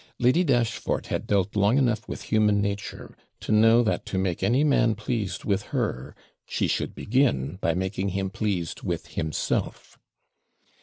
Lady Dashfort had dealt long enough with human nature to know, that to make any man pleased with her, she should begin by making him pleased with himself.